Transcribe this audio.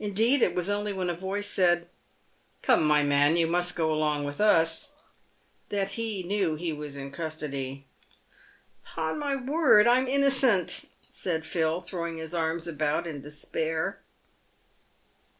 Indeed, it was only when a voice said, " Come, my man, you must go along with us," that he knew he was in custody. " 'Pon my word, I am inno cent," said Phil, throwing his arms about in despair.